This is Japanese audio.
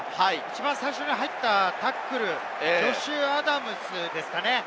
最初のタックル、ジョシュ・アダムズですかね。